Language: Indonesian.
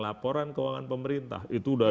laporan keuangan pemerintah itu sudah